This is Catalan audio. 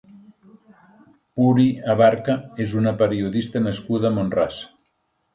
Puri Abarca és una periodista nascuda a Mont-ras.